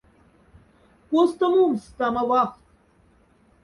Коста мумс стама валхт?